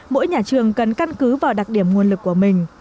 mỗi nhà trường cần căn cứ vào đặc điểm nguồn lực của mình